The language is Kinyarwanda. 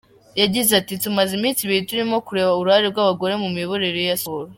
Yagize ati “Tumaze iminsi ibiri turimo kureba uruhare rw’umugore mu miyoborere ya siporo.